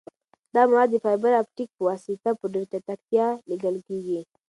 دا معلومات د فایبر اپټیک په واسطه په ډېر چټکتیا لیږل کیږي.